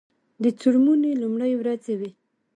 د څوړموني لومړی ورځې وې.